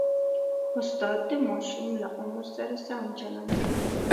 استاد د ماشوم له عمر سره سم چلند کوي.